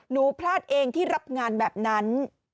พลาดเองที่รับงานแบบนั้น